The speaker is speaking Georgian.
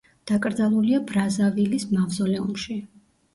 დაკრძალულია ბრაზავილის მავზოლეუმში.